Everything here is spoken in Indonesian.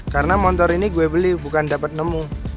karena motor ini gue beli bukan dapat nemu